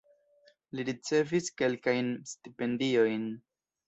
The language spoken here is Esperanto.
Li ricevis kelkajn stipendiojn.